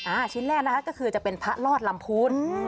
ชิ้นแรกนะคะก็คือจะเป็นพระรอดลำพูน